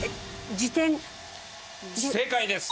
正解です！